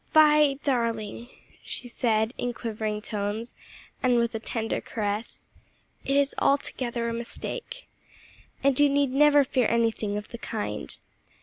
"Vi, darling," she said in quivering tones, and with a tender caress, "it is altogether a mistake. And you need never fear anything of the kind.